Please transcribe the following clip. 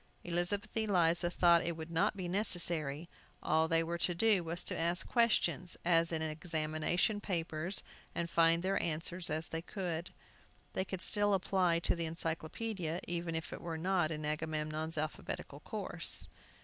Elizabeth Eliza thought it would not be necessary. All they were to do was to ask questions, as in examination papers, and find their answers as they could. They could still apply to the Encyclopædia, even if it were not in Agamemnon's alphabetical course.